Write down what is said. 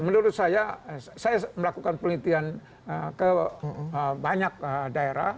menurut saya saya melakukan penelitian ke banyak daerah